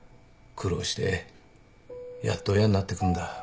苦労してやっと親になってくんだ。